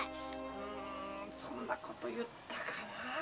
うんそんなこと言ったかなあ？